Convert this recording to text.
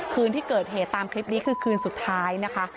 คืนที่เกิดเหตุตามคลิปนี้คือคืนสุดท้ายนะคะ